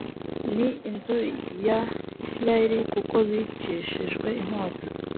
n inzu ya isirayeli kuko bicishijwe inkota